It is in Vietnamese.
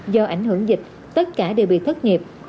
do ảnh hưởng dịch tất cả đều bị thất nghiệp